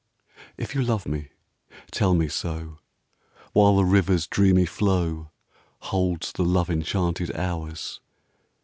If you love me, tell me so. While the river's dreamy flow Holds the love enchanted hours.